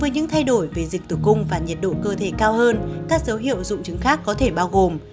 những thay đổi về dịch cổ tử cung và nhiệt độ cơ thể cao hơn các dấu hiệu dung trứng khác có thể bao gồm